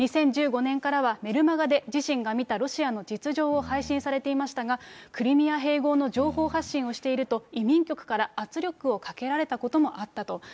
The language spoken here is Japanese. ２０１５年からはメルマガで自身が見たロシアの実情を配信されていましたが、クリミア併合の情報発信をしていると、移民局から圧力をかけられたこともあったと。